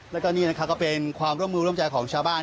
แล้วก็นี่นะครับก็เป็นความร่วมมือร่วมใจของชาวบ้าน